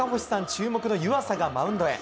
注目の湯浅がマウンドへ。